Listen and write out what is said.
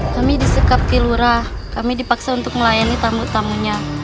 kami disekap kilura kami dipaksa untuk melayani tamu tamunya